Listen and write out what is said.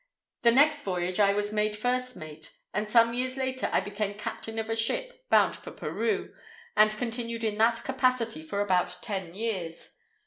The next voyage I was made first mate, and some years later I became captain of a ship bound for Peru, and continued in that capacity for about ten years.